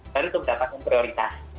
baru itu mendapatkan prioritas